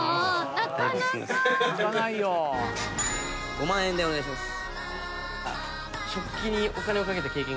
５万円でお願いします。